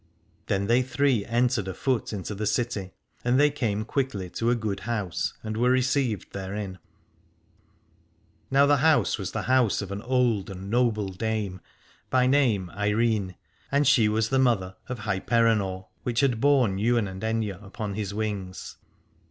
Then they three entered afoot into the city, and they came quickly to a good house and were received therein. 218 Al adore Now the house was the house of an old and noble dame, by name Eirene, and she was the mother of Hyperenor, which had borne Ywain and Aithne upon his wings.